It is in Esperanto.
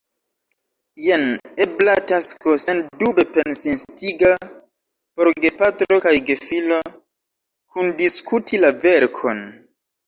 Jen ebla tasko, sendube pens-instiga, por gepatro kaj gefilo: kundiskuti la verkon.